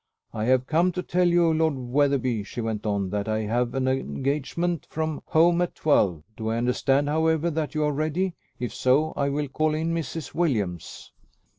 "I have come to tell you, Lord Wetherby," she went on, "that I have an engagement from home at twelve. Do I understand, however, that you are ready? If so, I will call in Mrs. Williams."